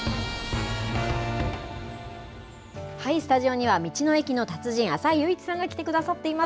スタジオには、道の駅の達人、浅井佑一さんが来てくださっています。